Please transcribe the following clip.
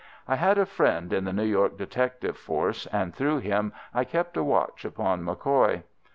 I had a friend in the New York detective force, and through him I kept a watch upon MacCoy.